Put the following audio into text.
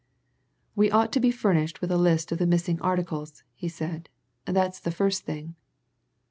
"We ought to be furnished with a list of the missing articles," he said. "That's the first thing."